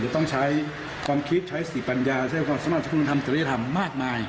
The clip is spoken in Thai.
จะต้องใช้ความคิดใช้ศีลปัญญาใช้ความสมาชิที่คุณธรรม